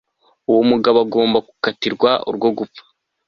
Uwo mugabo agomba gukatirwa urwo gupfa